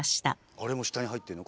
あれも下に入ってんの？